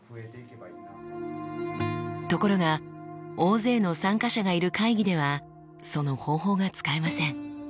ところが大勢の参加者がいる会議ではその方法が使えません。